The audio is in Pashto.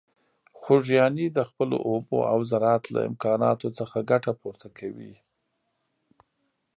خوږیاڼي د خپلو اوبو او زراعت له امکاناتو څخه ګټه پورته کوي.